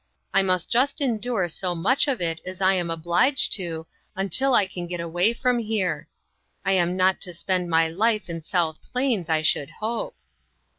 I must just endure so much of it ;is I am obliged to, until I can get away fixm here. I am not to spend my life in South Plains, I should hope."